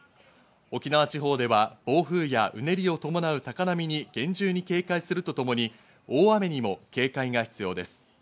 沖縄地方では暴風やうねりを伴う高波に厳重に警戒するとともに、大雨にも警戒が必要です。